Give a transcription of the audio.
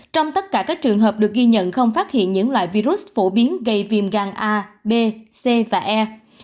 trong tất cả các trường hợp được ghi nhận không phát hiện những loại virus phổ biến gây viêm gan a b c và e